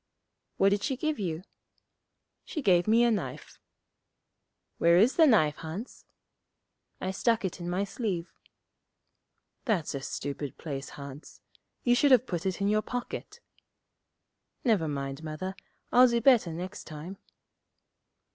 'What did she give you?' 'She gave me a knife.' 'Where is the knife, Hans?' 'I stuck it in my sleeve.' 'That's a stupid place, Hans. You should have put it in your pocket.' 'Never mind, Mother; I'll do better next time.'